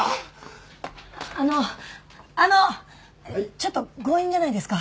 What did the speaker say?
ちょっと強引じゃないですか？